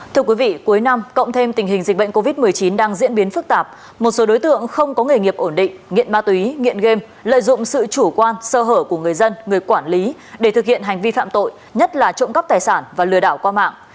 thưa quý vị cuối năm cộng thêm tình hình dịch bệnh covid một mươi chín đang diễn biến phức tạp một số đối tượng không có nghề nghiệp ổn định nghiện ma túy nghiện game lợi dụng sự chủ quan sơ hở của người dân người quản lý để thực hiện hành vi phạm tội nhất là trộm cắp tài sản và lừa đảo qua mạng